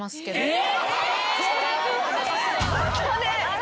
え！？